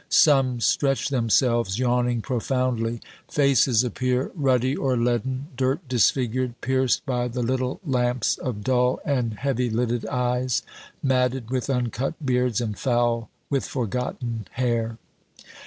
Some stretch themselves, yawning profoundly. Faces appear, ruddy or leaden, dirt disfigured, pierced by the little lamps of dull and heavy lidded eyes, matted with uncut beards and foul with forgotten hair.